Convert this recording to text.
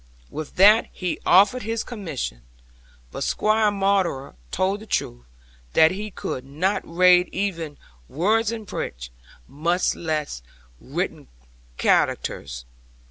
With that he offered his commission; but Squire Maunder told the truth, that he could not rade even words in print, much less written karakters.